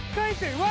うわ！